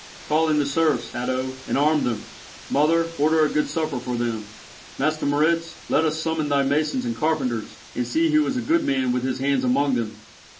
Call in the serfs, Hatto, and arm them. Mother, order a good supper for them. Master Moritz, let us summon thy masons and carpenters, and see who is a good man with his hands among them."